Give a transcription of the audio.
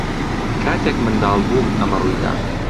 کاتێک منداڵ بووم ئەمە ڕووی دا.